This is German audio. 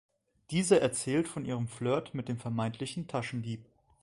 Diese erzählt von ihrem Flirt mit dem vermeintlichen Taschendieb.